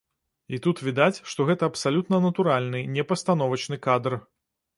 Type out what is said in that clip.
І тут відаць, што гэта абсалютна натуральны, не пастановачны кадр.